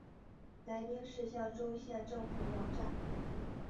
来宾市象州县政府网站